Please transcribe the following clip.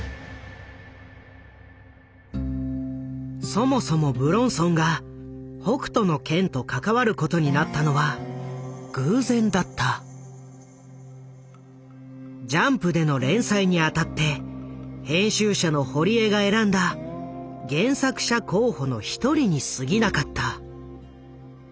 そもそも武論尊が「北斗の拳」と関わることになったのはジャンプでの連載にあたって編集者の堀江が選んだ原作者候補の一人にすぎなかった。